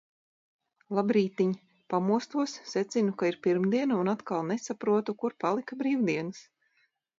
Labrītiņ! Pamostos, secinu, ka ir pirmdiena un atkal nesaprotu, kur palika brīvdienas.